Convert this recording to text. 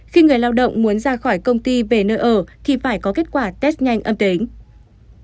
khi người lao động muốn ra khỏi công ty về nơi ở thì phải có kết quả test nhanh âm tính